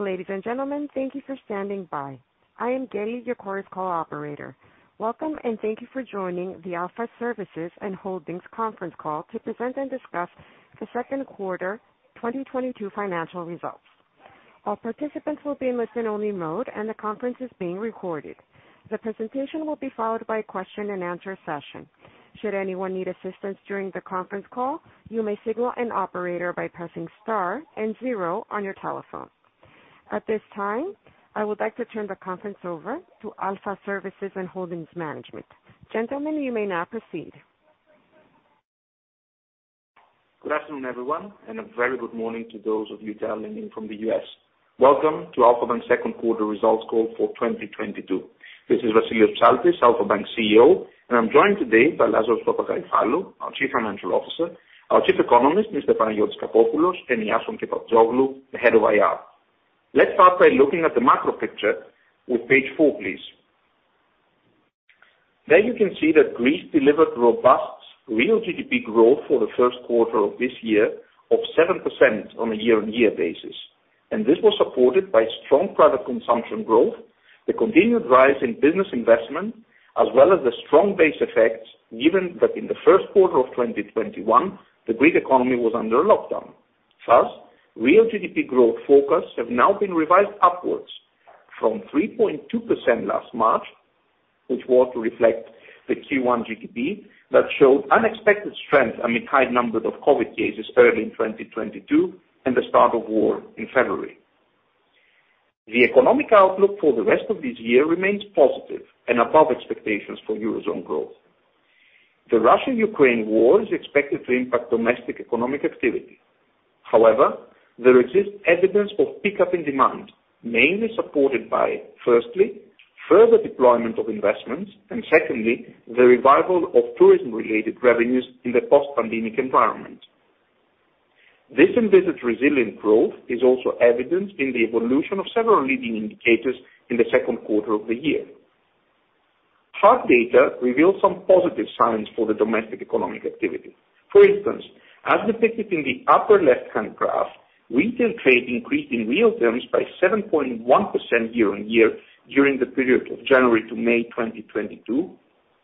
Ladies and gentlemen, thank you for standing by. I am Gary, your Chorus Call operator. Welcome, and thank you for joining the Alpha Services and Holdings conference call to present and discuss the second quarter 2022 financial results. All participants will be in listen-only mode, and the conference is being recorded. The presentation will be followed by a question-and-answer session. Should anyone need assistance during the conference call, you may signal an operator by pressing star and zero on your telephone. At this time, I would like to turn the conference over to Alpha Services and Holdings management. Gentlemen, you may now proceed. Good afternoon, everyone, and a very good morning to those of you dialing in from the US. Welcome to Alpha Bank second quarter results call for 2022. This is Vassilios Psaltis, Alpha Bank CEO, and I'm joined today by Lazaros Papagaryfallou, our Chief Financial Officer, our Chief Economist, Mr. Panayotis Kapopoulos, and Iason Kepaptsoglou, the head of IR. Let's start by looking at the macro picture with page four, please. There you can see that Greece delivered robust real GDP growth for the first quarter of this year of 7% on a year-on-year basis. This was supported by strong private consumption growth, the continued rise in business investment, as well as the strong base effects, given that in the first quarter of 2021, the Greek economy was under lockdown. Thus, real GDP growth forecasts have now been revised upwards from 3.2% last March, which was to reflect the Q1 GDP that showed unexpected strength amid high numbers of COVID cases early in 2022 and the start of war in February. The economic outlook for the rest of this year remains positive and above expectations for Eurozone growth. The Russia-Ukraine war is expected to impact domestic economic activity. However, there exists evidence of pickup in demand, mainly supported by, firstly, further deployment of investments, and secondly, the revival of tourism-related revenues in the post-pandemic environment. This invisible resilient growth is also evident in the evolution of several leading indicators in the second quarter of the year. Hard data reveals some positive signs for the domestic economic activity. For instance, as depicted in the upper left-hand graph, retail trade increased in real terms by 7.1% year-on-year during the period of January to May 2022,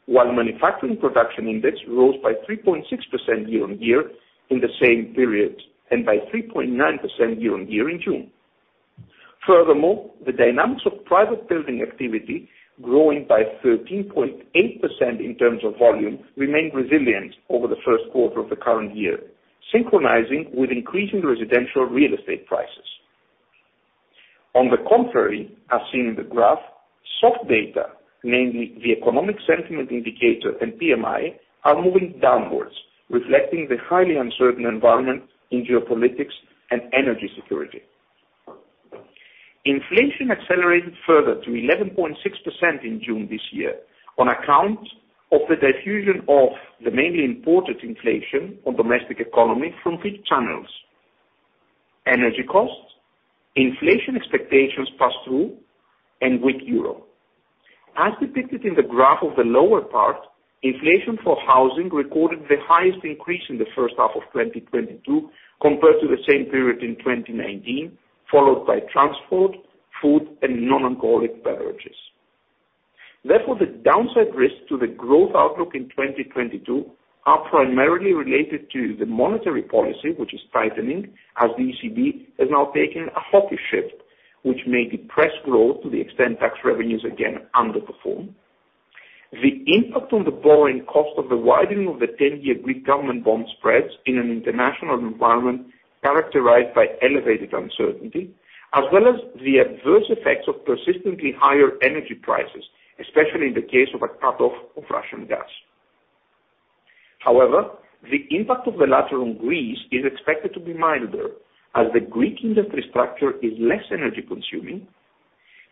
while manufacturing production index rose by 3.6% year-on-year in the same period, and by 3.9% year-on-year in June. Furthermore, the dynamics of private building activity growing by 13.8% in terms of volume remained resilient over the first quarter of the current year, synchronizing with increasing residential real estate prices. On the contrary, as seen in the graph, soft data, namely the economic sentiment indicator and PMI, are moving downwards, reflecting the highly uncertain environment in geopolitics and energy security. Inflation accelerated further to 11.6% in June this year on account of the diffusion of the mainly imported inflation on domestic economy from three channels, energy costs, inflation expectations passed through, and weak euro. As depicted in the graph of the lower part, inflation for housing recorded the highest increase in the first half of 2022 compared to the same period in 2019, followed by transport, food, and non-alcoholic beverages. Therefore, the downside risks to the growth outlook in 2022 are primarily related to the monetary policy, which is tightening, as the ECB has now taken a hawkish shift, which may depress growth to the extent tax revenues again underperform. The impact on the borrowing cost of the widening of the 10-year Greek government bond spreads in an international environment characterized by elevated uncertainty, as well as the adverse effects of persistently higher energy prices, especially in the case of a cut-off of Russian gas. However, the impact of the latter on Greece is expected to be milder, as the Greek industry structure is less energy consuming,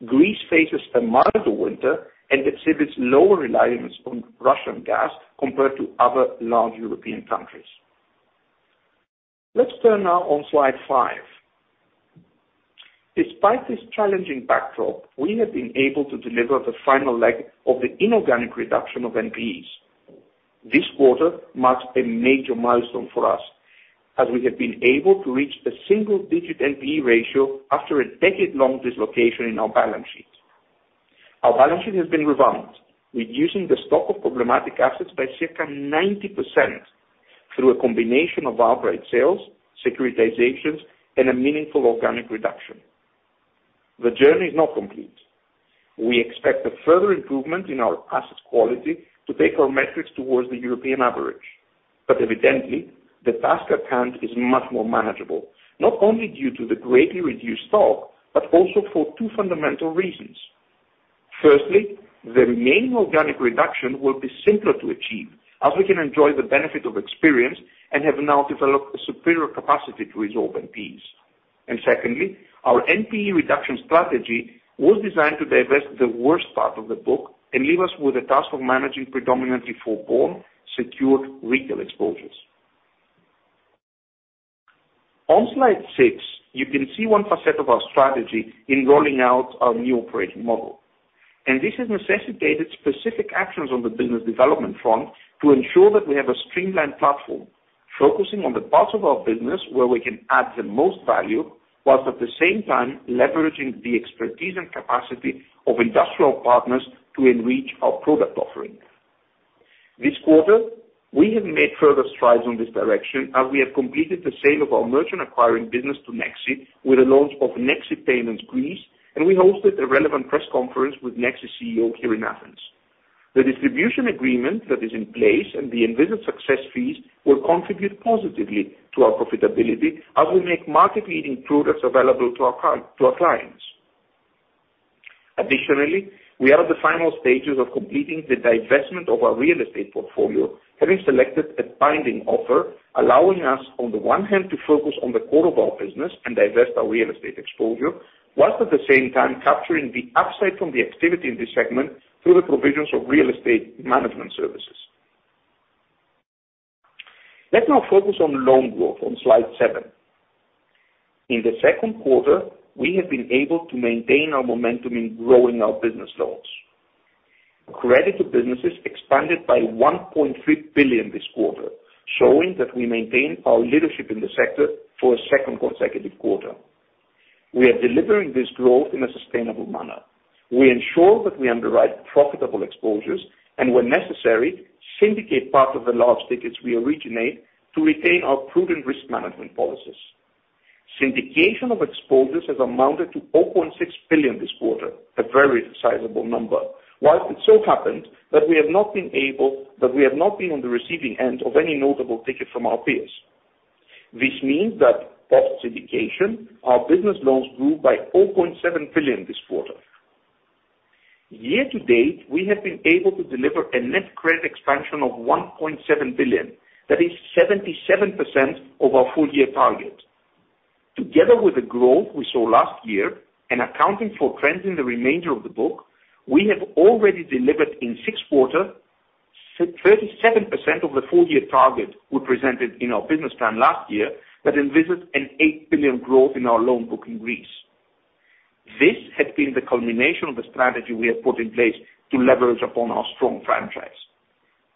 Greece faces a milder winter and exhibits lower reliance on Russian gas compared to other large European countries. Let's turn now to Slide 5. Despite this challenging backdrop, we have been able to deliver the final leg of the inorganic reduction of NPEs. This quarter marks a major milestone for us, as we have been able to reach the single-digit NPE ratio after a decade-long dislocation in our balance sheet. Our balance sheet has been revamped, reducing the stock of problematic assets by circa 90% through a combination of outright sales, securitizations, and a meaningful organic reduction. The journey is not complete. We expect a further improvement in our asset quality to take our metrics towards the European average. Evidently, the task at hand is much more manageable, not only due to the greatly reduced stock, but also for two fundamental reasons. Firstly, the remaining organic reduction will be simpler to achieve as we can enjoy the benefit of experience and have now developed a superior capacity to resolve NPEs. Secondly, our NPE reduction strategy was designed to divest the worst part of the book and leave us with the task of managing predominantly forborne secured retail exposures. On Slide 6, you can see one facet of our strategy in rolling out our new operating model. This has necessitated specific actions on the business development front to ensure that we have a streamlined platform focusing on the parts of our business where we can add the most value, while at the same time leveraging the expertise and capacity of industrial partners to enrich our product offering. This quarter, we have made further strides in this direction as we have completed the sale of our merchant acquiring business to Nexi with the launch of Nexi Payments Greece, and we hosted a relevant press conference with Nexi CEO here in Athens. The distribution agreement that is in place and the envisaged success fees will contribute positively to our profitability as we make market-leading products available to our clients. Additionally, we are at the final stages of completing the divestment of our real estate portfolio, having selected a binding offer, allowing us on the one hand to focus on the core of our business and divest our real estate exposure, while at the same time capturing the upside from the activity in this segment through the provisions of real estate management services. Let's now focus on loan growth on Slide 7. In the second quarter, we have been able to maintain our momentum in growing our business loans. Credit to businesses expanded by 1.3 billion this quarter, showing that we maintain our leadership in the sector for a second consecutive quarter. We are delivering this growth in a sustainable manner. We ensure that we underwrite profitable exposures and when necessary, syndicate part of the large tickets we originate to retain our prudent risk management policies. Syndication of exposures has amounted to 4.6 billion this quarter, a very sizable number. While it so happened that we have not been on the receiving end of any notable ticket from our peers. This means that post syndication, our business loans grew by 4.7 billion this quarter. Year to date, we have been able to deliver a net credit expansion of 1.7 billion. That is 77% of our full year target. Together with the growth we saw last year and accounting for trends in the remainder of the book, we have already delivered, in six quarters, 37% of the full year target we presented in our business plan last year that envisaged an 8 billion growth in our loan book in Greece. This has been the culmination of the strategy we have put in place to leverage upon our strong franchise.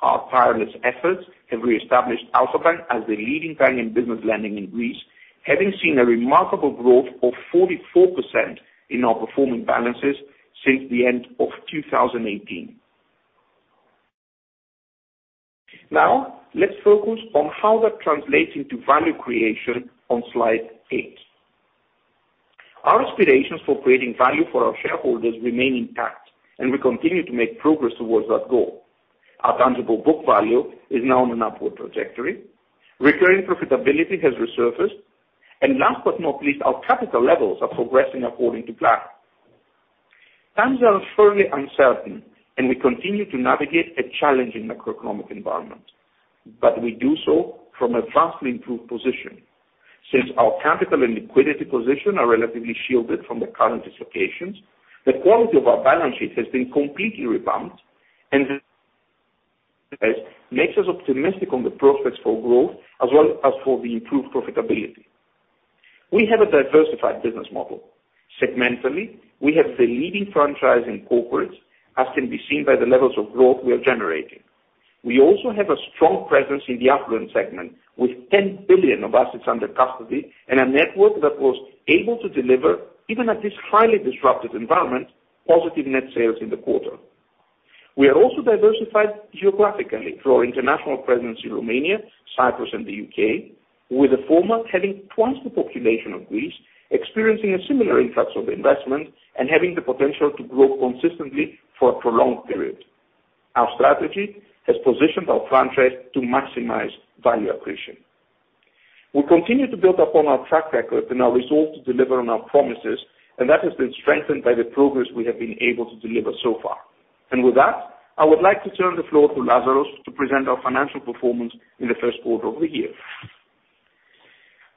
Our tireless efforts have reestablished Alpha Bank as the leading bank in business lending in Greece, having seen a remarkable growth of 44% in our performing balances since the end of 2018. Now, let's focus on how that translates into value creation on Slide 8. Our aspirations for creating value for our shareholders remain intact, and we continue to make progress towards that goal. Our tangible book value is now on an upward trajectory. Recurring profitability has resurfaced. And last but not least, our capital levels are progressing according to plan. Times are fairly uncertain, and we continue to navigate a challenging macroeconomic environment. We do so from a vastly improved position. Since our capital and liquidity position are relatively shielded from the current dislocations, the quality of our balance sheet has been completely rebound and makes us optimistic on the prospects for growth as well as for the improved profitability. We have a diversified business model. Segmentally, we have the leading franchise in corporates, as can be seen by the levels of growth we are generating. We also have a strong presence in the affluent segment with 10 billion of assets under custody and a network that was able to deliver, even at this highly disruptive environment, positive net sales in the quarter. We are also diversified geographically through our international presence in Romania, Cyprus and the UK, with the former having twice the population of Greece, experiencing a similar influx of investment and having the potential to grow consistently for a prolonged period. Our strategy has positioned our franchise to maximize value accretion. We continue to build upon our track record and our resolve to deliver on our promises, and that has been strengthened by the progress we have been able to deliver so far. With that, I would like to turn the floor to Lazaros to present our financial performance in the first quarter of the year.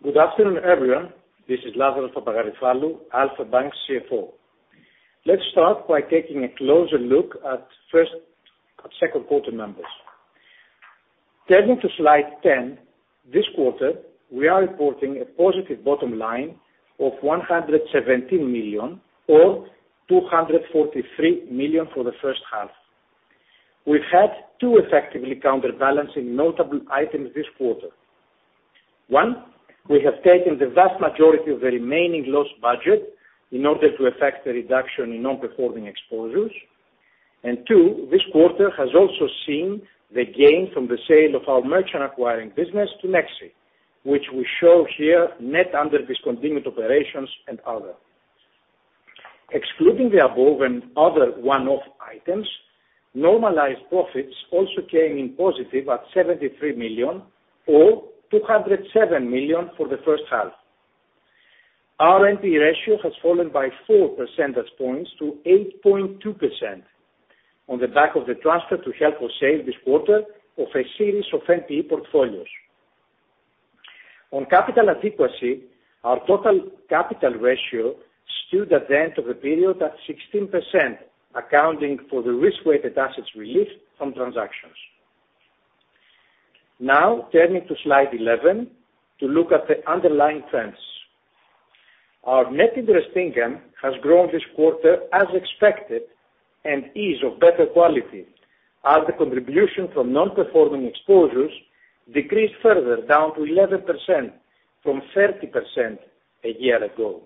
Good afternoon, everyone. This is Lazaros Papagaryfallou, Alpha Bank's CFO. Let's start by taking a closer look at second quarter numbers. Turning to Slide 10, this quarter, we are reporting a positive bottom line of 117 million or 243 million for the first half. We've had two effectively counterbalancing notable items this quarter. One, we have taken the vast majority of the remaining loss budget in order to affect a reduction in non-performing exposures. Two, this quarter has also seen the gain from the sale of our merchant acquiring business to Nexi, which we show here net under discontinued operations and other. Excluding the above and other one-off items, normalized profits also came in positive at 73 million or 207 million for the first half. Our NPE ratio has fallen by four percentage points to 8.2% on the back of the transfer to held for sale this quarter of a series of NPE portfolios. On capital adequacy, our total capital ratio stood at the end of the period at 16%, accounting for the risk-weighted assets relief from transactions. Now turning to Slide 11 to look at the underlying trends. Our net interest income has grown this quarter as expected and is of better quality as the contribution from non-performing exposures decreased further down to 11% from 30% a year ago.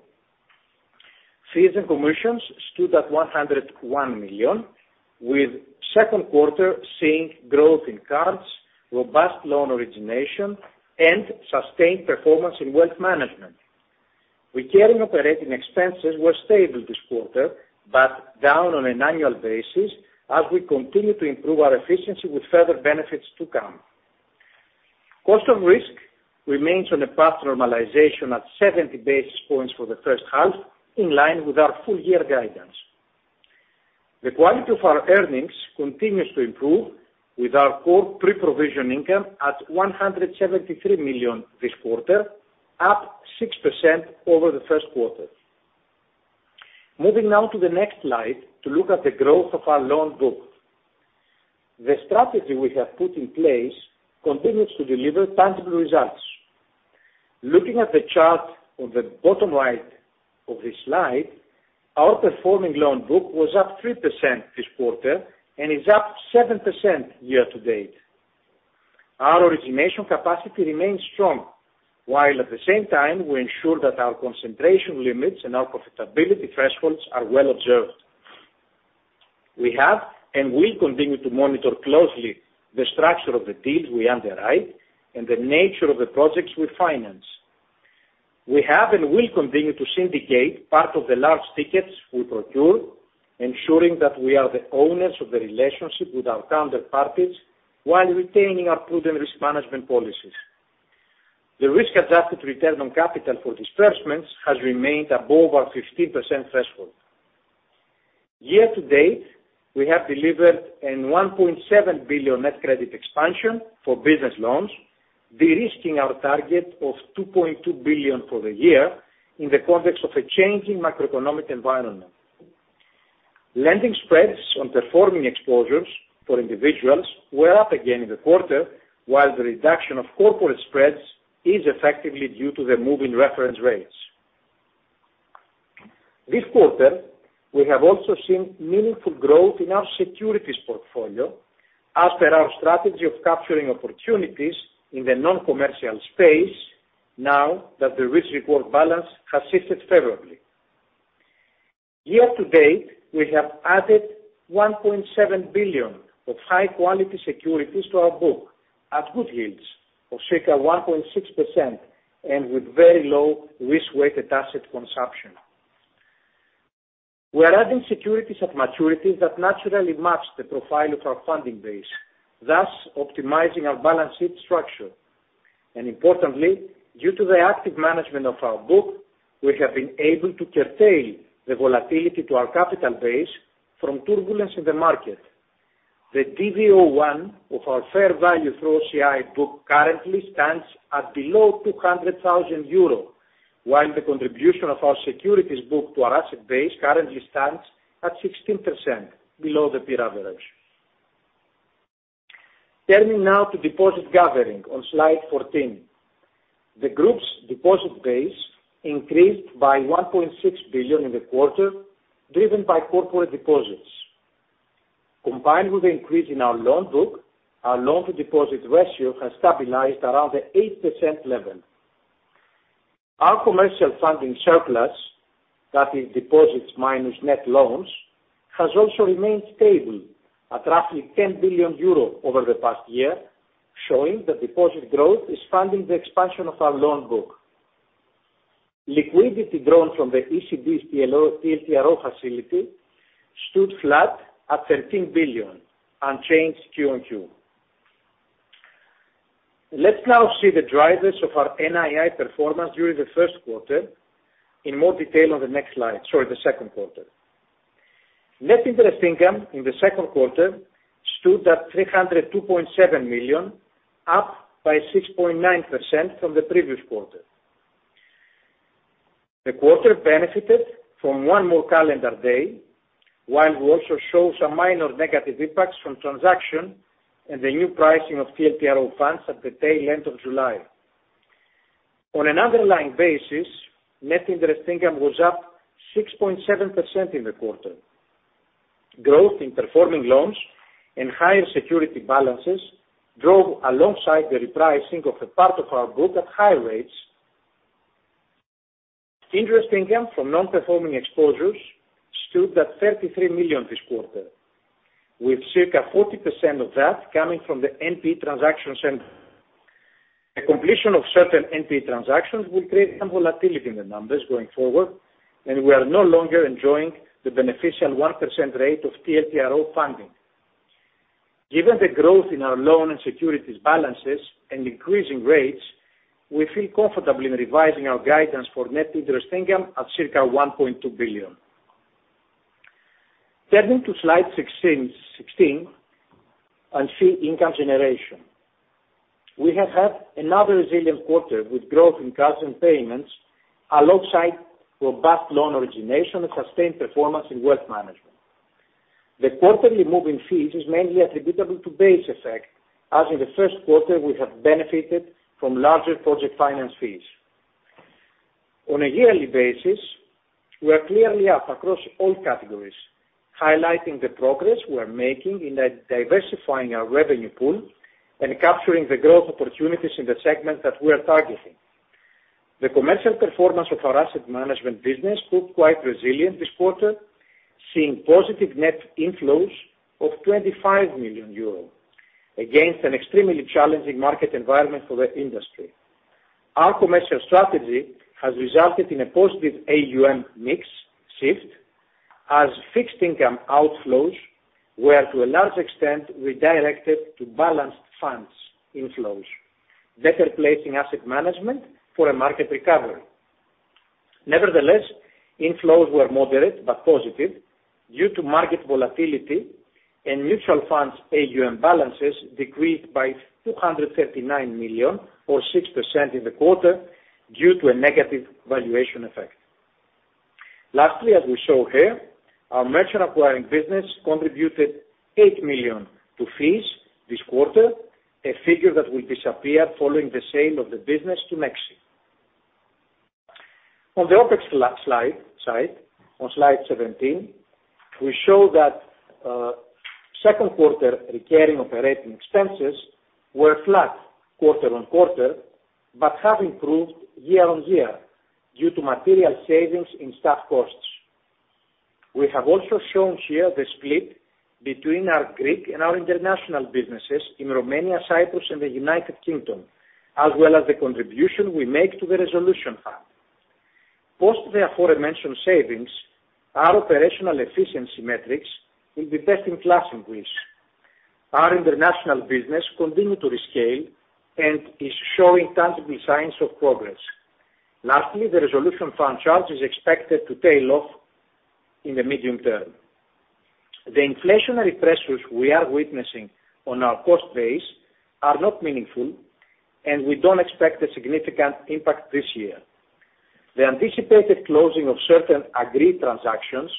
Fees and commissions stood at 101 million, with second quarter seeing growth in cards, robust loan origination, and sustained performance in wealth management. Our operating expenses were stable this quarter, but down on an annual basis as we continue to improve our efficiency with further benefits to come. Cost of risk remains on a path to normalization at 70 basis points for the first half, in line with our full year guidance. The quality of our earnings continues to improve with our core pre-provision income at 173 million this quarter, up 6% over the first quarter. Moving now to the next slide to look at the growth of our loan book. The strategy we have put in place continues to deliver tangible results. Looking at the chart on the bottom right of this slide, our performing loan book was up 3% this quarter and is up 7% year to date. Our origination capacity remains strong, while at the same time we ensure that our concentration limits and our profitability thresholds are well observed. We have, and we continue to monitor closely the structure of the deals we underwrite and the nature of the projects we finance. We have, and we continue to syndicate part of the large tickets we procure, ensuring that we are the owners of the relationship with our counterparties while retaining our prudent risk management policies. The risk-adjusted return on capital for disbursements has remained above our 15% threshold. Year to date, we have delivered a 1.7 billion net credit expansion for business loans, de-risking our target of 2.2 billion for the year in the context of a changing macroeconomic environment. Lending spreads on performing exposures for individuals were up again in the quarter, while the reduction of corporate spreads is effectively due to the move in reference rates. This quarter, we have also seen meaningful growth in our securities portfolio as per our strategy of capturing opportunities in the non-commercial space now that the risk-reward balance has shifted favorably. Year to date, we have added 1.7 billion of high-quality securities to our book at good yields of circa 1.6% and with very low risk-weighted asset consumption. We are adding securities at maturities that naturally match the profile of our funding base, thus optimizing our balance sheet structure. Importantly, due to the active management of our book, we have been able to curtail the volatility to our capital base from turbulence in the market. The DVO1 of our fair value through OCI book currently stands at below 200,000 euro, while the contribution of our securities book to our asset base currently stands at 16% below the peer average. Turning now to deposit gathering on Slide 14. The group's deposit base increased by 1.6 billion in the quarter, driven by corporate deposits. Combined with the increase in our loan book, our loan to deposit ratio has stabilized around the 8% level. Our commercial funding surplus, that is deposits minus net loans, has also remained stable at roughly 10 billion euro over the past year, showing that deposit growth is funding the expansion of our loan book. Liquidity drawn from the ECB's TLTRO facility stood flat at EUR 13 billion, unchanged QOQ. Let's now see the drivers of our NII performance during the second quarter in more detail on the next slide. Net interest income in the second quarter stood at 302.7 million, up by 6.9% from the previous quarter. The quarter benefited from one more calendar day, while we also show some minor negative impacts from the transition and the new pricing of TLTRO funds at the tail end of July. On an underlying basis, net interest income was up 6.7% in the quarter. Growth in performing loans and higher security balances drove, alongside the repricing of a part of our book at higher rates. Interest income from non-performing exposures stood at 33 million this quarter, with circa 40% of that coming from the NPE transaction center. A completion of certain NPE transactions will create some volatility in the numbers going forward, and we are no longer enjoying the beneficial 1% rate of TLTRO funding. Given the growth in our loan and securities balances and increasing rates, we feel comfortable in revising our guidance for net interest income at circa 1.2 billion. Turning to Slide 16 on fee income generation. We have had another resilient quarter with growth in cards and payments alongside robust loan origination and sustained performance in wealth management. The quarterly move in fees is mainly attributable to base effect, as in the first quarter, we have benefited from larger project finance fees. On a yearly basis, we are clearly up across all categories, highlighting the progress we're making in diversifying our revenue pool and capturing the growth opportunities in the segment that we're targeting. The commercial performance of our asset management business proved quite resilient this quarter, seeing positive net inflows of 25 million euro against an extremely challenging market environment for the industry. Our commercial strategy has resulted in a positive AUM mix shift, as fixed income outflows were, to a large extent, redirected to balanced funds inflows, better placing asset management for a market recovery. Nevertheless, inflows were moderate but positive due to market volatility, and mutual funds AUM balances decreased by 239 million or 6% in the quarter due to a negative valuation effect. Lastly, as we show here, our merchant acquiring business contributed 8 million to fees this quarter, a figure that will disappear following the sale of the business to Nexi. On the OpEx slide, on Slide 17, we show that second quarter recurring operating expenses were flat quarter-on-quarter but have improved year-on-year due to material savings in staff costs. We have also shown here the split between our Greek and our international businesses in Romania, Cyprus, and the United Kingdom, as well as the contribution we make to the Resolution Fund. Post the aforementioned savings, our operational efficiency metrics will be best in class increase. Our international business continues to rescale and is showing tangible signs of progress. Lastly, the Resolution Fund charge is expected to tail off in the medium term. The inflationary pressures we are witnessing on our cost base are not meaningful, and we don't expect a significant impact this year. The anticipated closing of certain agreed transactions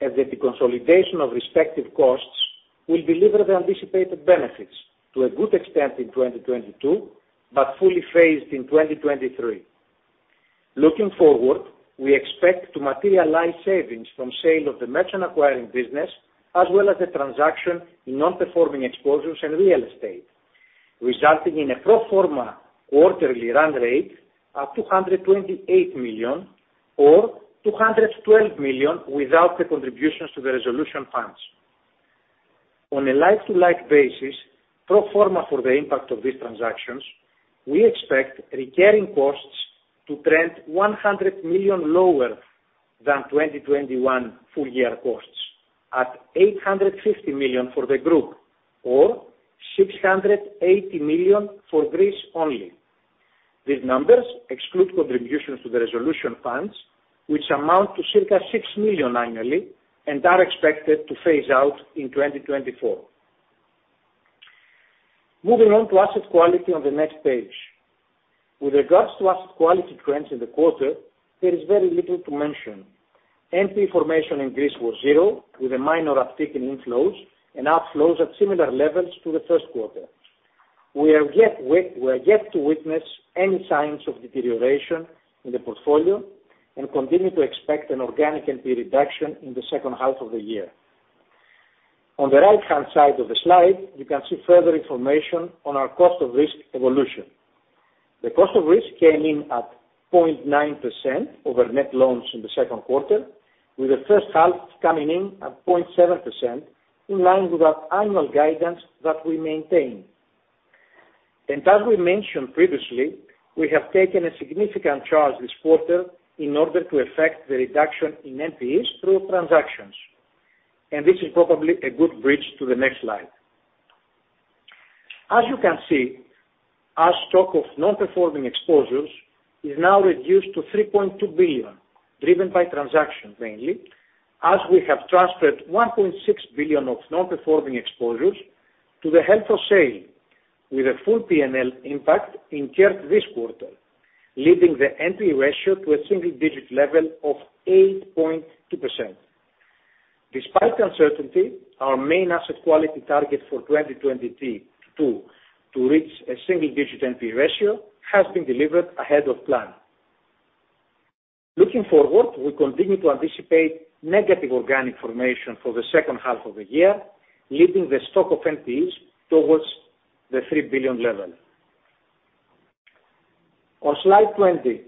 and the deconsolidation of respective costs will deliver the anticipated benefits to a good extent in 2022, but fully phased in 2023. Looking forward, we expect to materialize savings from sale of the merchant acquiring business as well as the transaction in non-performing exposures in real estate, resulting in a pro forma quarterly run rate of 228 million or 212 million without the contributions to the Resolution Fund. On a like-to-like basis, pro forma for the impact of these transactions, we expect recurring costs to trend 100 million lower than 2021 full year costs at 850 million for the group or 680 million for Greece only. These numbers exclude contributions to the Resolution Fund, which amount to circa 6 million annually and are expected to phase out in 2024. Moving on to asset quality on the next page. With regards to asset quality trends in the quarter, there is very little to mention. NPE formation in Greece was zero, with a minor uptick in inflows and outflows at similar levels to the first quarter. We are yet to witness any signs of deterioration in the portfolio and continue to expect an organic NPE reduction in the second half of the year. On the right-hand side of the slide, you can see further information on our cost of risk evolution. The cost of risk came in at 0.9% over net loans in the second quarter, with the first half coming in at 0.7%, in line with our annual guidance that we maintain. As we mentioned previously, we have taken a significant charge this quarter in order to affect the reduction in NPEs through transactions. This is probably a good bridge to the next slide. As you can see, our stock of non-performing exposures is now reduced to 3.2 billion, driven by transactions mainly, as we have transferred 1.6 billion of non-performing exposures to the held for sale, with a full P&L impact incurred this quarter, leading the NPE ratio to a single-digit level of 8.2%. Despite uncertainty, our main asset quality target for 2022 to reach a single-digit NPE ratio has been delivered ahead of plan. Looking forward, we continue to anticipate negative organic formation for the second half of the year, leading the stock of NPEs towards the 3 billion level. On Slide 20,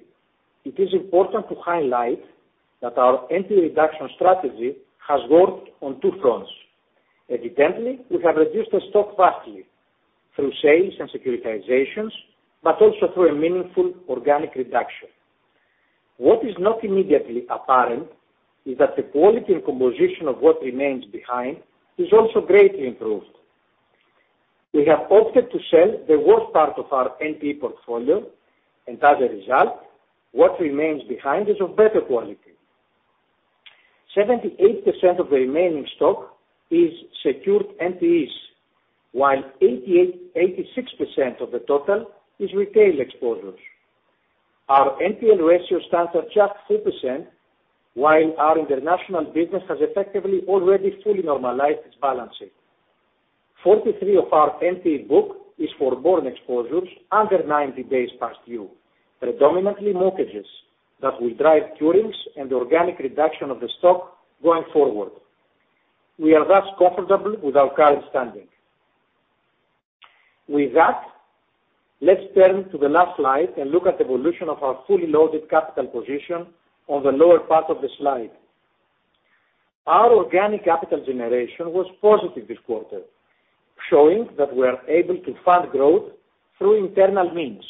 it is important to highlight that our NPE reduction strategy has worked on two fronts. Evidently, we have reduced the stock vastly through sales and securitizations, but also through a meaningful organic reduction. What is not immediately apparent is that the quality and composition of what remains behind is also greatly improved. We have opted to sell the worst part of our NPE portfolio, and as a result, what remains behind is of better quality. 78% of the remaining stock is secured NPEs, while 86% of the total is retail exposures. Our NPE ratio stands at just 3%, while our international business has effectively already fully normalized its balancing. 43% of our NPE book is forborne exposures under 90 days past due, predominantly mortgages that will drive curings and organic reduction of the stock going forward. We are thus comfortable with our current standing. With that, let's turn to the last slide and look at the evolution of our fully loaded capital position on the lower part of the slide. Our organic capital generation was positive this quarter, showing that we are able to fund growth through internal means.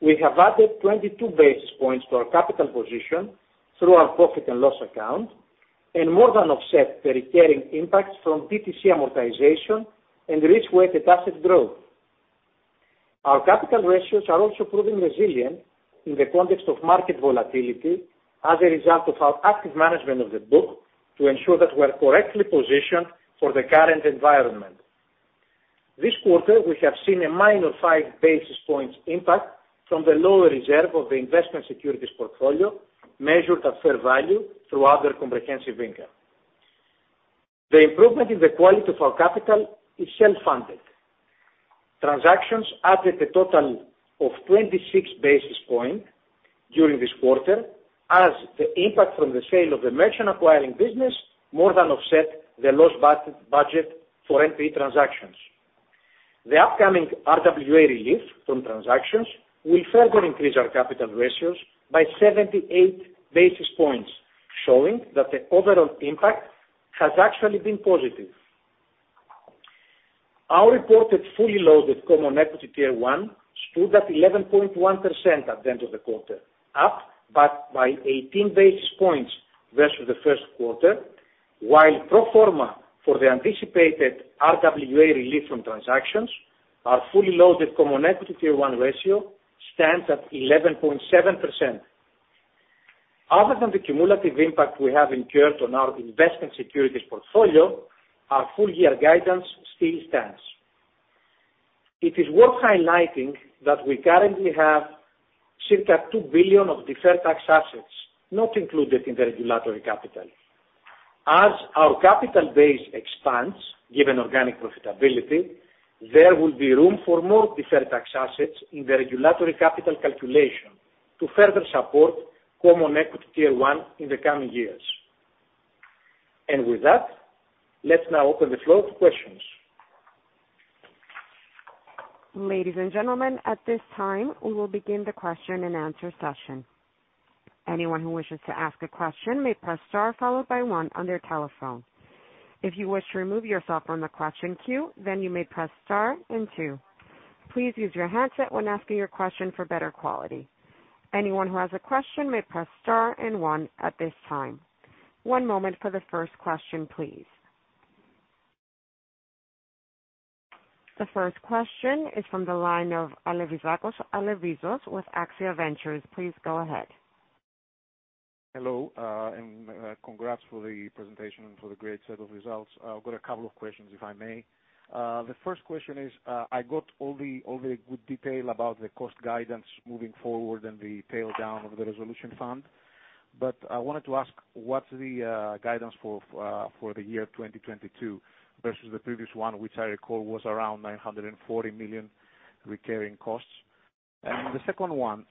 We have added 22 basis points to our capital position through our profit and loss account, and more than offset the recurring impacts from DTC amortization and risk-weighted asset growth. Our capital ratios are also proving resilient in the context of market volatility as a result of our active management of the book to ensure that we are correctly positioned for the current environment. This quarter, we have seen a minus 5 basis points impact from the lower reserve of the investment securities portfolio, measured at fair value through other comprehensive income. The improvement in the quality of our capital is self-funded. Transactions added a total of 26 basis points during this quarter, as the impact from the sale of the merchant acquiring business more than offset the loss budget for NPE transactions. The upcoming RWA relief from transactions will further increase our capital ratios by 78 basis points, showing that the overall impact has actually been positive. Our reported fully loaded Common Equity Tier 1 stood at 11.1% at the end of the quarter, up by 18 basis points versus the first quarter, while pro forma for the anticipated RWA relief from transactions, our fully loaded Common Equity Tier 1 ratio stands at 11.7%. Other than the cumulative impact we have incurred on our investment securities portfolio, our full year guidance still stands. It is worth highlighting that we currently have circa 2 billion of Deferred Tax Assets not included in the regulatory capital. As our capital base expands, given organic profitability, there will be room for more Deferred Tax Assets in the regulatory capital calculation to further support Common Equity Tier 1 in the coming years. With that, let's now open the floor to questions. Ladies and gentlemen, at this time, we will begin the question-and-answer session. Anyone who wishes to ask a question may press star followed by one on their telephone. If you wish to remove yourself from the question queue, then you may press star and two. Please use your handset when asking your question for better quality. Anyone who has a question may press star and one at this time. One moment for the first question, please. The first question is from the line of Alevizos Alevizakos with Axia Ventures. Please go ahead. Hello, and congrats for the presentation and for the great set of results. I've got a couple of questions, if I may. The first question is, I got all the good detail about the cost guidance moving forward and the tail down of the Resolution Fund. I wanted to ask, what's the guidance for the year 2022 versuz the previous one, which I recall was around 940 million recurring costs? And the second one,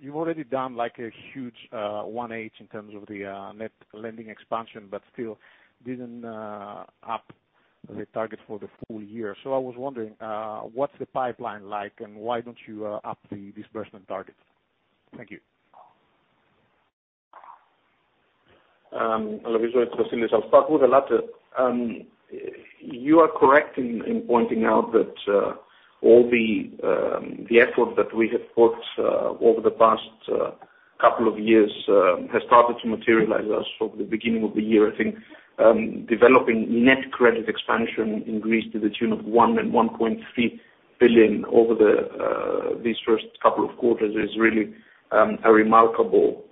you've already done, like, a huge 1H in terms of the net lending expansion but still didn't up the target for the full year. I was wondering, what's the pipeline like, and why don't you up the disbursement targets? Thank you. Alevizos, Vasilis. I'll start with the latter. You are correct in pointing out that all the effort that we have put over the past couple of years has started to materialize as of the beginning of the year. I think delivering net credit expansion increased to the tune of 1.3 billion over these first couple of quarters is really a remarkable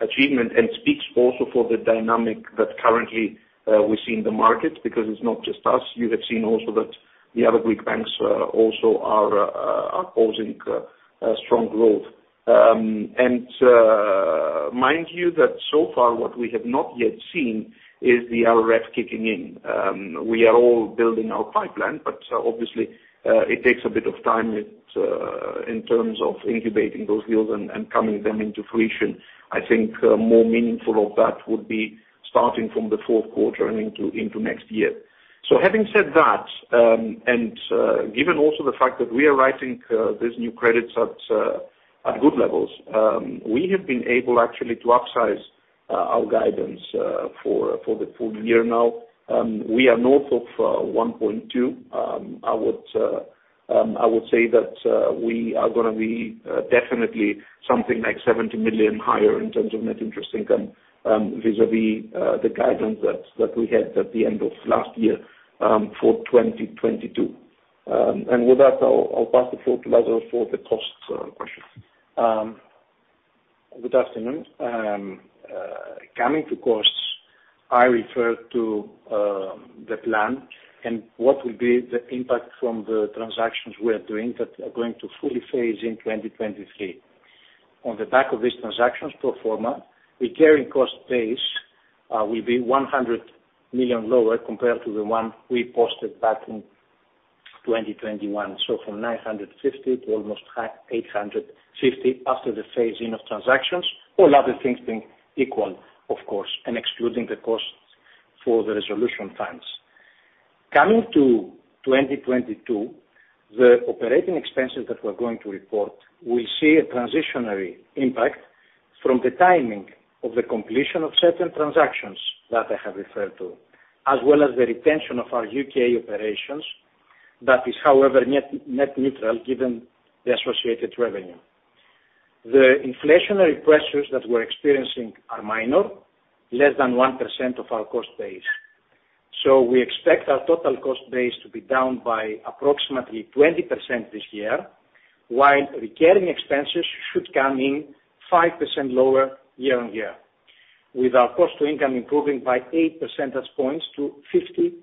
achievement and speaks also for the dynamics that currently we see in the market, because it's not just us. You have seen also that the other Greek banks also are posting a strong growth. Mind you that so far, what we have not yet seen is the RRF kicking in. We are all building our pipeline, but obviously, it takes a bit of time in terms of incubating those deals and bringing them to fruition. I think more meaningful than that would be starting from the fourth quarter and into next year. Having said that, given also the fact that we are writing these new credits at good levels, we have been able actually to upsize our guidance for the full year now. We are north of 1.2 billion. I would say that we are gonna be definitely something like 70 million higher in terms of net interest income vis-à-vis the guidance that we had at the end of last year for 2022. With that, I'll pass the floor to Lazaros for the cost piece. Good afternoon. Coming to costs, I refer to the plan and what will be the impact from the transactions we are doing that are going to fully phase in 2023. On the back of these transactions pro forma, the carrying cost base will be 100 million lower compared to the one we posted back in 2021. From 950 million to almost 850 million after the phase-in of transactions, all other things being equal, of course, and excluding the costs for the resolution funds. Coming to 2022, the operating expenses that we're going to report will see a transitory impact from the timing of the completion of certain transactions that I have referred to, as well as the retention of our U.K. operations. That is, however, net neutral given the associated revenue. The inflationary pressures that we're experiencing are minor, less than 1% of our cost base. We expect our total cost base to be down by approximately 20% this year, while recurring expenses should come in 5% lower year-on-year, with our cost to income improving by 8 percentage points to 54%,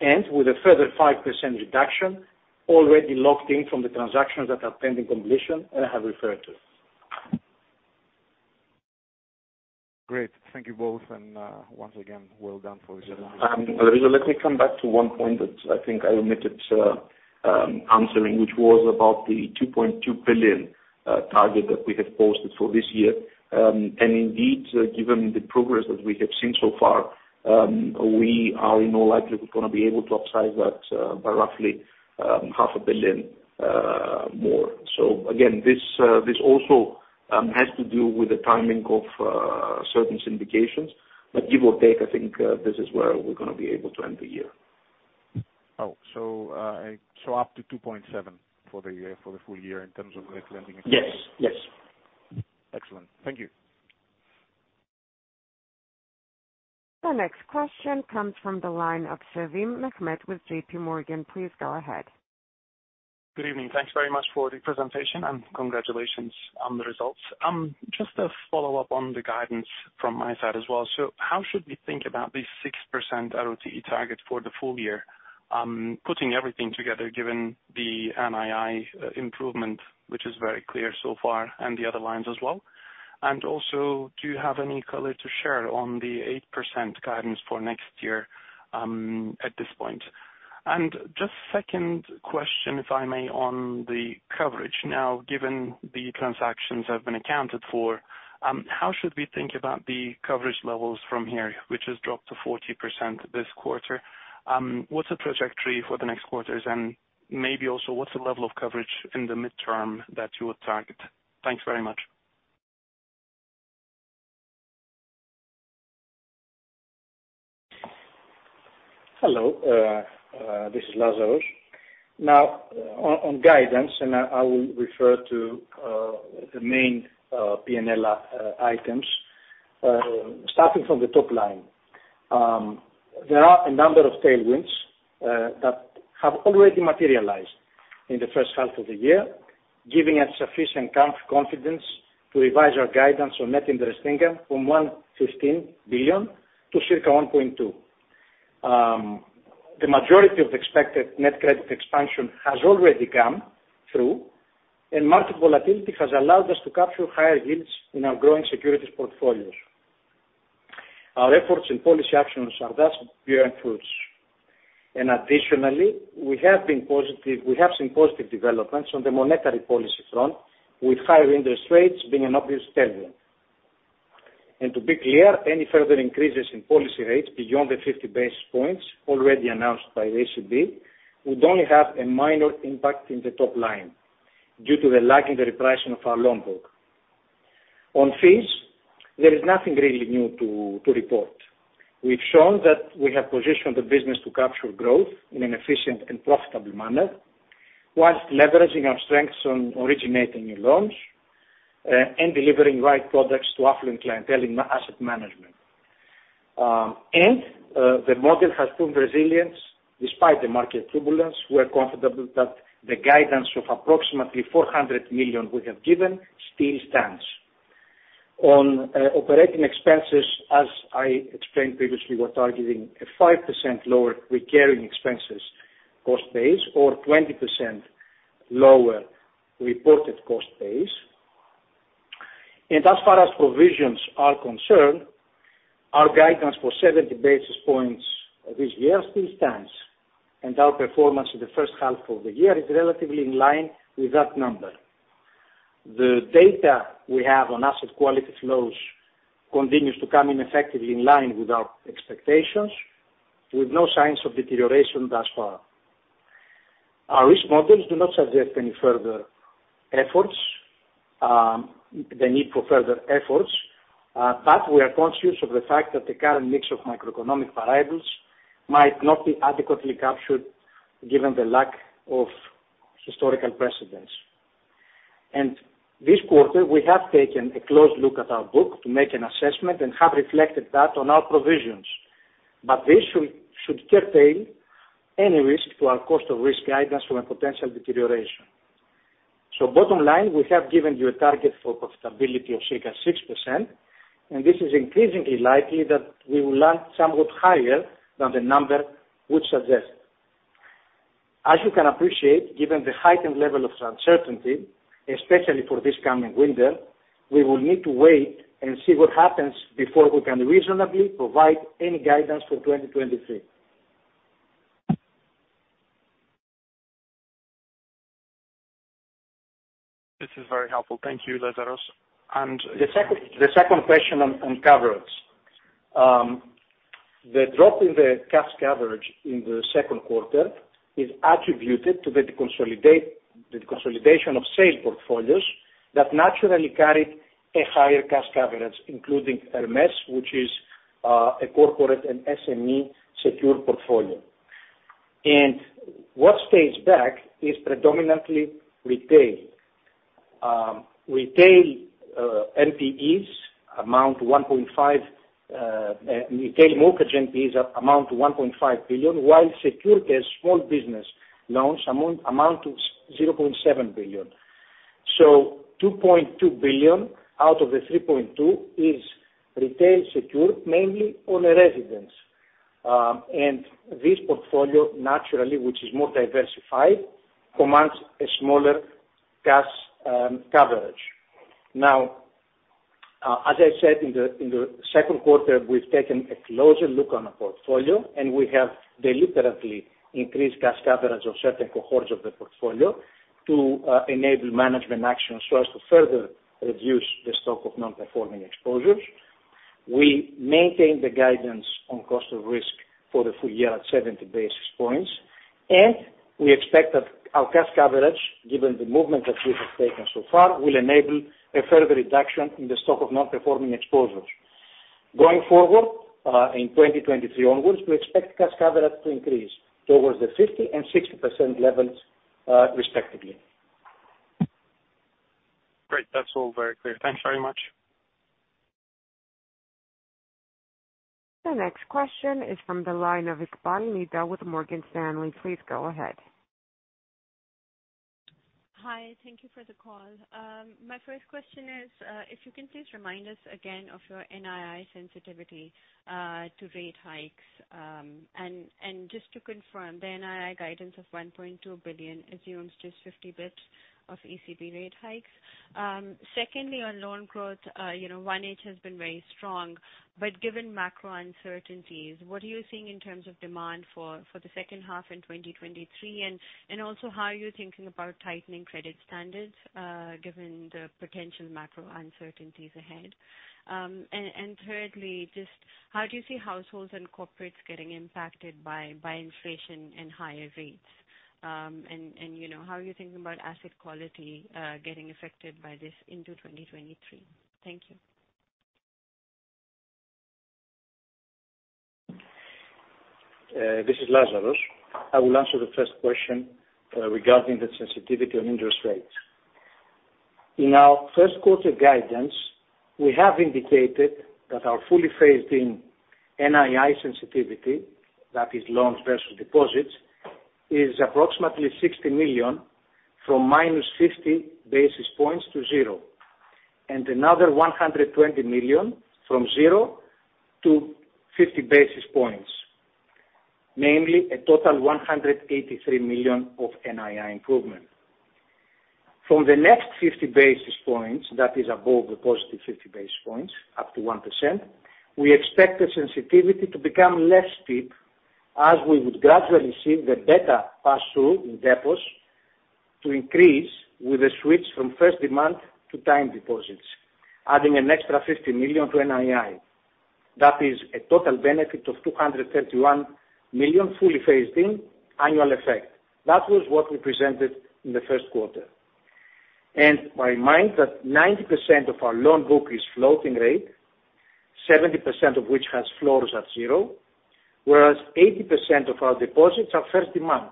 and with a further 5% reduction already locked in from the transactions that are pending completion and I have referred to. Great. Thank you both. Once again, well done for this year. Let me come back to one point that I think I omitted answering, which was about the 2.2 billion target that we have posted for this year. Indeed, given the progress that we have seen so far, we are in all likelihood gonna be able to upside that by roughly half a billion more. Again, this also has to do with the timing of certain syndications. Give or take, I think this is where we're gonna be able to end the year. Up to 2.7% for the year, for the full year in terms of the lending expenses? Yes, yes. Excellent. Thank you. The next question comes from the line of Mehmet Sevim with J.P. Morgan. Please go ahead. Good evening. Thanks very much for the presentation, and congratulations on the results. Just a follow-up on the guidance from my side as well. How should we think about the 6% ROTE target for the full year, putting everything together, given the NII improvement, which is very clear so far, and the other lines as well? Also, do you have any color to share on the 8% guidance for next year, at this point? Just second question, if I may, on the coverage. Now, given the transactions have been accounted for, how should we think about the coverage levels from here, which has dropped to 40% this quarter? What's the trajectory for the next quarters? Maybe also, what's the level of coverage in the midterm that you would target? Thanks very much. Hello. This is Lazaros. Now, on guidance, I will refer to the main P&L items. Starting from the top line. There are a number of tailwinds that have already materialized in the first half of the year, giving us sufficient confidence to revise our guidance on net interest income from 1.15 billion to circa 1.2 billion. The majority of expected net credit expansion has already come through, and market volatility has allowed us to capture higher yields in our growing securities portfolios. Our efforts and policy actions are thus bearing fruits. Additionally, we have been positive, we have seen positive developments on the monetary policy front, with higher interest rates being an obvious tailwind. To be clear, any further increases in policy rates beyond the 50 basis points already announced by ECB would only have a minor impact in the top line due to the lag in the repricing of our loan book. On fees, there is nothing really new to report. We've shown that we have positioned the business to capture growth in an efficient and profitable manner, while leveraging our strengths on originating new loans and delivering right products to affluent clientele in asset management. The model has proven resilience despite the market turbulence. We're confident that the guidance of approximately 400 million we have given still stands. On operating expenses, as I explained previously, we're targeting a 5% lower recurring expenses cost base or 20% lower reported cost base. As far as provisions are concerned, our guidance for 70 basis points this year still stands, and our performance in the first half of the year is relatively in line with that number. The data we have on asset quality flows continues to come in effectively in line with our expectations, with no signs of deterioration thus far. Our risk models do not suggest the need for further efforts, but we are conscious of the fact that the current mix of macroeconomic variables might not be adequately captured given the lack of historical precedent. This quarter, we have taken a close look at our book to make an assessment and have reflected that on our provisions. This should curtail any risk to our cost of risk guidance from a potential deterioration. Bottom line, we have given you a target for profitability of circa 6%, and this is increasingly likely that we will land somewhat higher than the number would suggest. As you can appreciate, given the heightened level of uncertainty, especially for this coming winter, we will need to wait and see what happens before we can reasonably provide any guidance for 2023. This is very helpful. Thank you, Lazaros. The second question on coverage. The drop in the cash coverage in the second quarter is attributed to the consolidation of sales portfolios that naturally carried a higher cash coverage, including Hermes, which is a corporate and SME secured portfolio. What stays back is predominantly retail. Retail NPEs amount 1.5, retail mortgage NPEs amount to 1.5 billion, while secured and small business loans amount to 0.7 billion. Two point two billion out of the three point two is retail secured mainly on residences. This portfolio, naturally, which is more diversified, commands a smaller cash coverage. Now, as I said in the second quarter, we've taken a closer look on the portfolio, and we have deliberately increased cash coverage of certain cohorts of the portfolio to enable management action so as to further reduce the stock of non-performing exposures. We maintain the guidance on cost of risk for the full year at 70 basis points. We expect that our cash coverage, given the movement that we have taken so far, will enable a further reduction in the stock of non-performing exposures. Going forward, in 2023 onwards, we expect cash coverage to increase towards the 50% and 60% levels, respectively. Great. That's all very clear. Thanks very much. The next question is from the line of Nida Iqbal with Morgan Stanley. Please go ahead. Hi. Thank you for the call. My first question is, if you can please remind us again of your NII sensitivity to rate hikes. Just to confirm, the NII guidance of 1.2 billion assumes just 50 basis points of ECB rate hikes. Secondly, on loan growth, you know, 1H has been very strong, but given macro uncertainties, what are you seeing in terms of demand for the second half in 2023? Also how are you thinking about tightening credit standards, given the potential macro uncertainties ahead? Thirdly, just how do you see households and corporates getting impacted by inflation and higher rates? You know, how are you thinking about asset quality getting affected by this into 2023? Thank you. This is Lazaros. I will answer the first question, regarding the sensitivity on interest rates. In our first quarter guidance, we have indicated that our fully phased in NII sensitivity, that is loans versus deposits, is approximately 60 million from -50 basis points to zero, and another 120 million from zero to 50 basis points, namely a total 183 million of NII improvement. From the next 50 basis points, that is above the positive 50 basis points, up to 1%, we expect the sensitivity to become less steep as we would gradually see the beta pass through in deposits to increase with a switch from first demand to time deposits, adding an extra 50 million to NII. That is a total benefit of 231 million fully phased in annual effect. That was what we presented in the first quarter. Bear in mind that 90% of our loan book is floating rate, 70% of which has floors at zero, whereas 80% of our deposits are demand.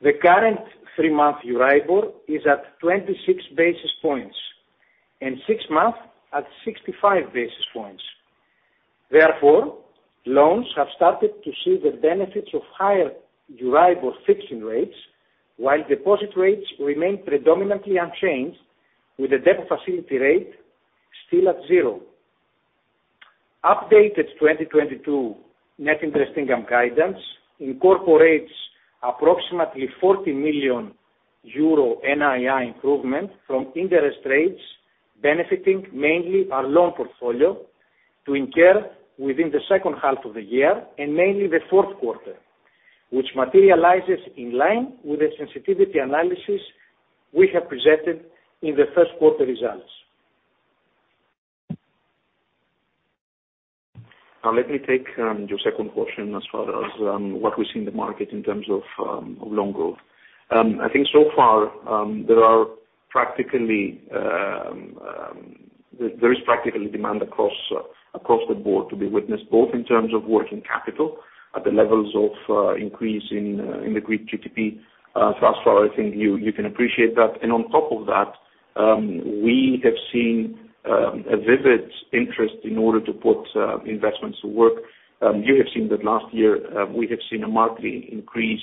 The current three-month Euribor is at 26 basis points and six-month at 65 basis points. Therefore, loans have started to see the benefits of higher Euribor fixing rates, while deposit rates remain predominantly unchanged with the deposit facility rate still at zero. Updated 2022 net interest income guidance incorporates approximately 40 million euro NII improvement from interest rates benefiting mainly our loan portfolio to occur within the second half of the year, and mainly the fourth quarter, which materializes in line with the sensitivity analysis we have presented in the first quarter results. Now, let me take your second question as far as what we see in the market in terms of loan growth. I think so far there is practically demand across the board to be witnessed, both in terms of working capital at the levels of increase in the Greek GDP thus far. I think you can appreciate that. On top of that we have seen a vivid interest in order to put investments to work. You have seen that last year we have seen a marked increase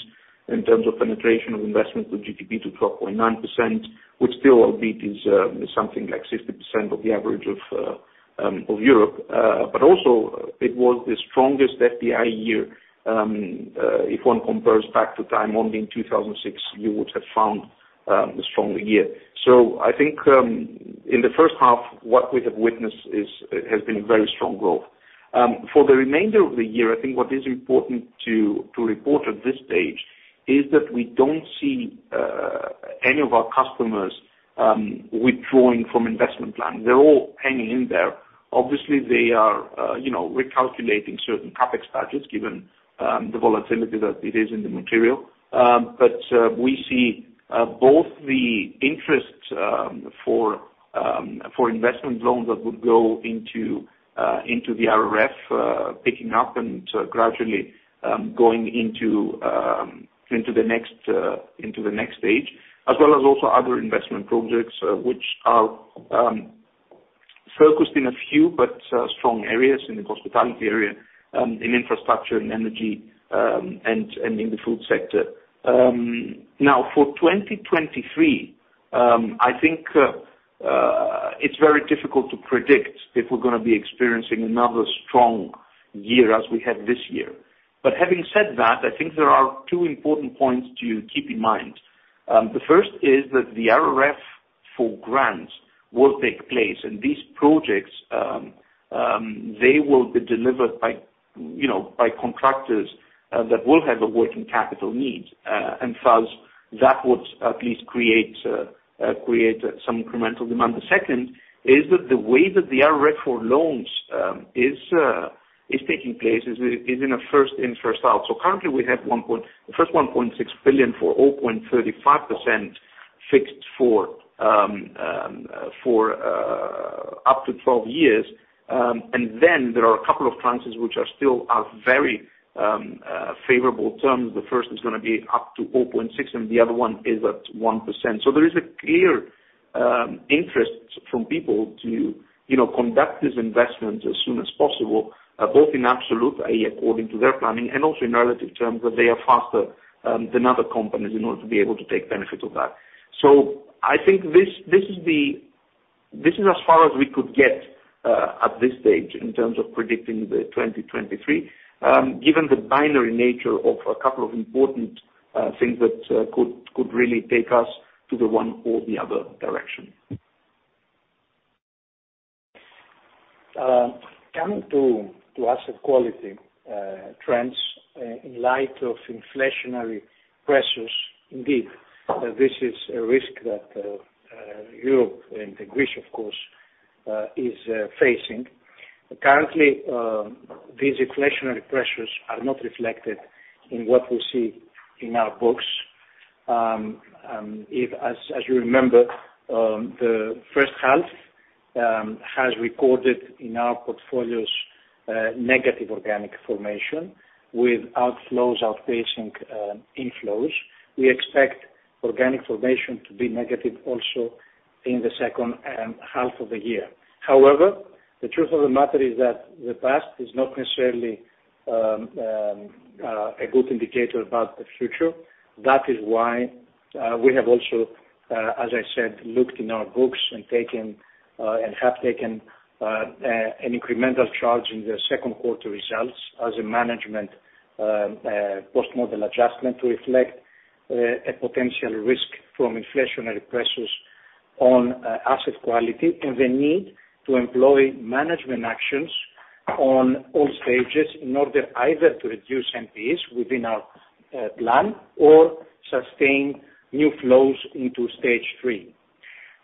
in terms of penetration of investment with GDP to 12.9%, which still albeit is something like 60% of the average of Europe. Also it was the strongest FDI year, if one compares back to time only in 2006, you would have found a stronger year. I think in the first half, what we have witnessed has been very strong growth. For the remainder of the year, I think what is important to report at this stage is that we don't see any of our customers withdrawing from investment planning. They're all hanging in there. Obviously, they are, you know, recalculating certain CapEx budgets given the volatility that it is in the material. We see both the interest for investment loans that would go into the RRF picking up and gradually going into the next stage, as well as also other investment projects, which are focused in a few but strong areas in the hospitality area, in infrastructure, in energy, and in the food sector. Now for 2023, I think it's very difficult to predict if we're gonna be experiencing another strong year as we have this year. Having said that, I think there are two important points to keep in mind. The first is that the RRF for grants will take place, and these projects, they will be delivered by, you know, by contractors, that will have a working capital need, and thus that would at least create some incremental demand. The second is that the way that the RRF for loans is taking place is in a first in, first out. Currently, the first 1.6 billion at 4.35% fixed for up to 12 years. Then there are a couple of tranches which are still at very favorable terms. The first is gonna be up to 4.6 billion, and the other one is at 1%. There is a clear interest from people to, you know, conduct these investments as soon as possible, both in absolute, i.e., according to their planning, and also in relative terms that they are faster than other companies in order to be able to take benefit of that. I think this is as far as we could get at this stage in terms of predicting 2023, given the binary nature of a couple of important things that could really take us to the one or the other direction. Coming to asset quality trends in light of inflationary pressures, indeed, this is a risk that Europe and Greece, of course, is facing. Currently, these inflationary pressures are not reflected in what we see in our books. If, as you remember, the first half has recorded in our portfolios negative organic formation with outflows outpacing inflows. We expect organic formation to be negative also in the second half of the year. However, the truth of the matter is that the past is not necessarily a good indicator about the future. That is why we have also, as I said, looked in our books and have taken an incremental charge in the second quarter results as a management post-model adjustment to reflect a potential risk from inflationary pressures on asset quality and the need to employ management actions on all stages in order either to reduce NPEs within our plan or sustain new flows into stage three.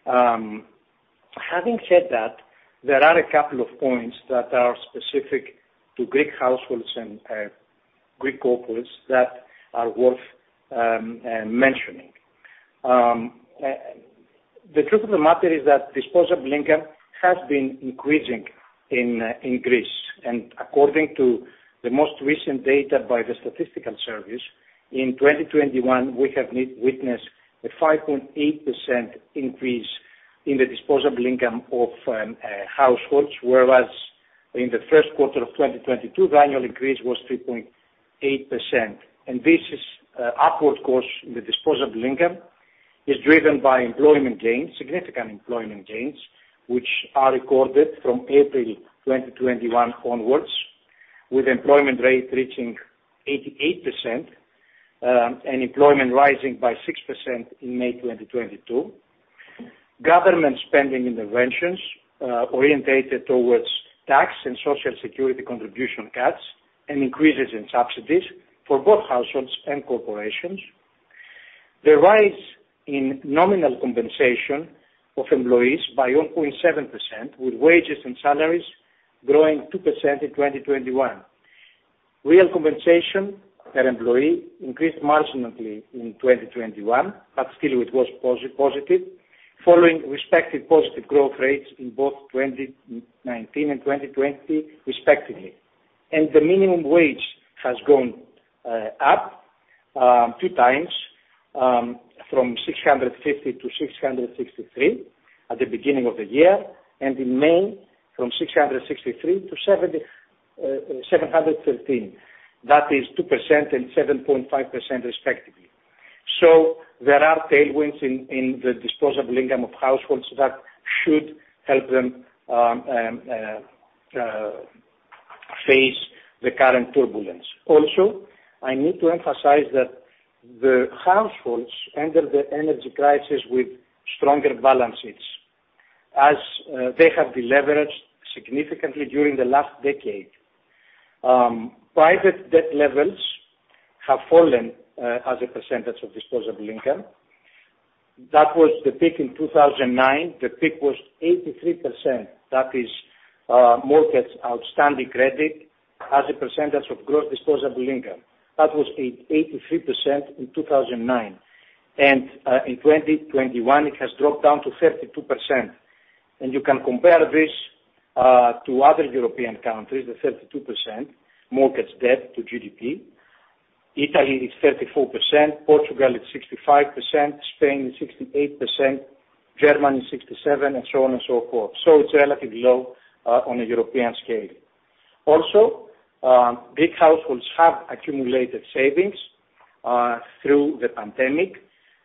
Having said that, there are a couple of points that are specific to Greek households and Greek corporates that are worth mentioning. The truth of the matter is that disposable income has been increasing in Greece, and according to the most recent data by the statistical service, in 2021, we have witnessed a 5.8% increase in the disposable income of households, whereas in the first quarter of 2022, the annual increase was 3.8%. This upward course in the disposable income is driven by employment gains, significant employment gains, which are recorded from April 2021 onwards, with employment rate reaching 88%, and employment rising by 6% in May 2022. Government spending interventions oriented towards tax and social security contribution cuts and increases in subsidies for both households and corporations. The rise in nominal compensation of employees by 1.7%, with wages and salaries growing 2% in 2021. Real compensation per employee increased marginally in 2021, but still it was positive, following respective positive growth rates in both 2019 and 2020 respectively. The minimum wage has gone up two times, from 650 to 663 at the beginning of the year, and in May from 663 to 713. That is 2% and 7.5% respectively. There are tailwinds in the disposable income of households that should help them face the current turbulence. Also, I need to emphasize that the households entered the energy crisis with stronger balances as they have deleveraged significantly during the last decade. Private debt levels have fallen as a percentage of disposable income. That was the peak in 2009. The peak was 83%. That is market's outstanding credit as a percentage of gross disposable income. That was 83% in 2009, and in 2021, it has dropped down to 32%. You can compare this to other European countries, the 32% market's debt to GDP. Italy is 34%, Portugal is 65%, Spain is 68%, Germany 67%, and so on and so forth. It's relatively low on a European scale. Also, Greek households have accumulated savings through the pandemic.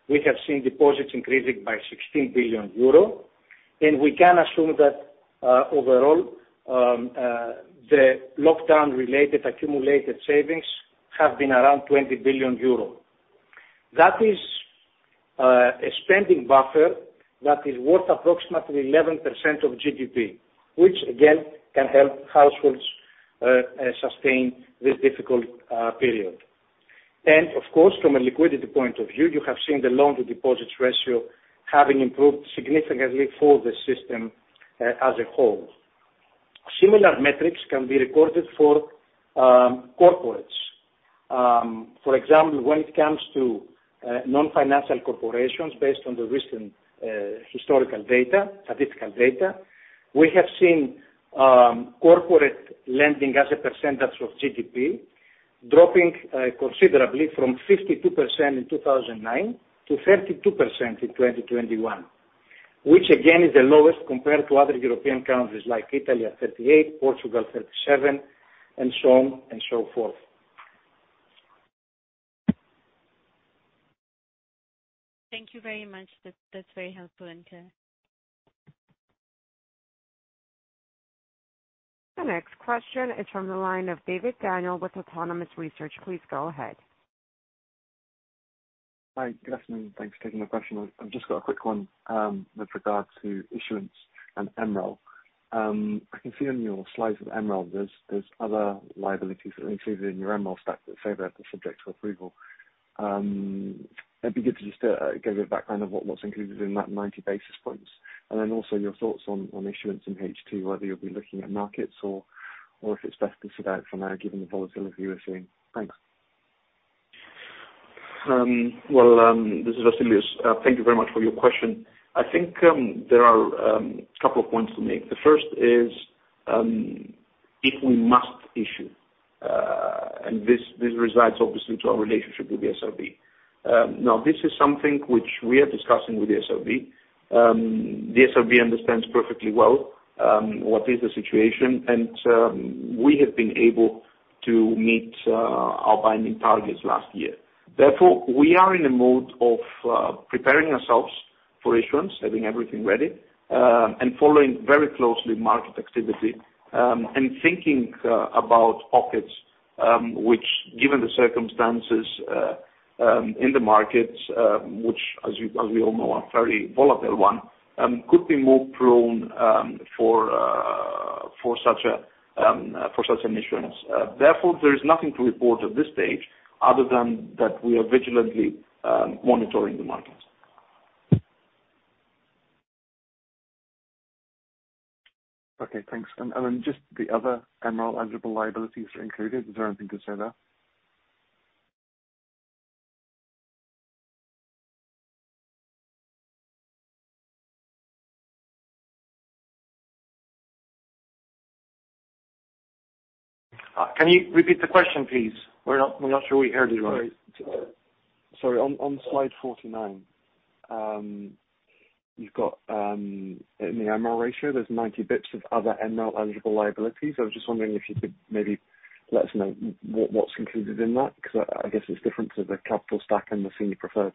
We have seen deposits increasing by 16 billion euro, and we can assume that overall, the lockdown related accumulated savings have been around 20 billion euro. That is, a spending buffer that is worth approximately 11% of GDP, which again can help households sustain this difficult period. Of course, from a liquidity point of view, you have seen the loan-to-deposit ratio having improved significantly for the system as a whole. Similar metrics can be recorded for corporates. For example, when it comes to non-financial corporations, based on the recent historical data, statistical data, we have seen corporate lending as a percentage of GDP dropping considerably from 52% in 2009 to 32% in 2021, which again is the lowest compared to other European countries like Italy at 38%, Portugal 37% and so on and so forth. Thank you very much. That's very helpful, Anton. The next question is from the line of Daniel David with Autonomous Research. Please go ahead. Hi. Good afternoon. Thanks for taking my question. I've just got a quick one with regards to issuance and MREL. I can see on your slides of MREL there's other liabilities that are included in your MREL stack that say they're subject to approval. It'd be good to just give you a background of what's included in that 90 basis points and then also your thoughts on issuance in H2, whether you'll be looking at markets or if it's best to sit out for now given the volatility we're seeing. Thanks. Well, this is Vassilis. Thank you very much for your question. I think there are a couple of points to make. The first is if we must issue, and this resides obviously to our relationship with the SRB. Now this is something which we are discussing with the SRB. The SRB understands perfectly well what is the situation, and we have been able to meet our binding targets last year. Therefore, we are in a mode of preparing ourselves for issuance, having everything ready, and following very closely market activity, and thinking about pockets which given the circumstances in the markets, which as we all know, are very volatile one, could be more prone for such an issuance. Therefore, there is nothing to report at this stage other than that we are vigilantly monitoring the markets. Okay, thanks. Just the other MREL eligible liabilities are included. Is there anything to say there? Can you repeat the question, please? We're not sure we heard you right. Sorry. On Slide 49, you've got in the MREL ratio, there's 90 basis points of other MREL eligible liabilities. I was just wondering if you could maybe let us know what's included in that, 'cause I guess it's different to the capital stack and the senior preferred.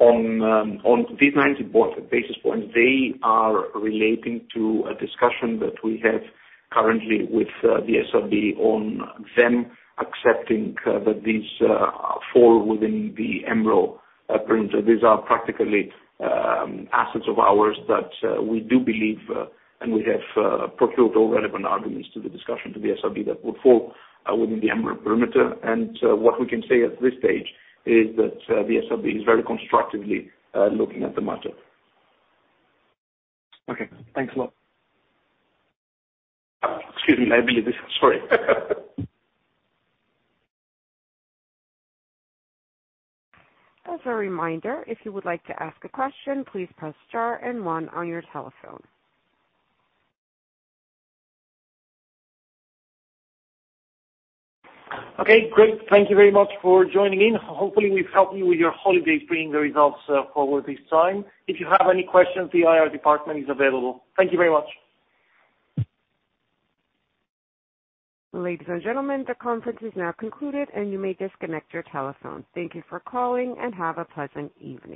On these 90 basis points, they are relating to a discussion that we have currently with the SRB on them accepting that these fall within the MREL perimeter. These are practically assets of ours that we do believe and we have procured all relevant arguments to the discussion to the SRB that would fall within the MREL perimeter. What we can say at this stage is that the SRB is very constructively looking at the matter. Okay. Thanks a lot. Excuse me, I believe this. Sorry. As a reminder, if you would like to ask a question, please press star and one on your telephone. Okay, great. Thank you very much for joining in. Hopefully we've helped you with your holidays, bringing the results forward this time. If you have any questions, the IR department is available. Thank you very much. Ladies and gentlemen, the conference is now concluded, and you may disconnect your telephone. Thank you for calling, and have a pleasant evening.